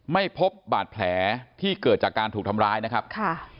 ไม่พบบาดแผลที่เกิดจากการถูกทำร้ายนะครับค่ะ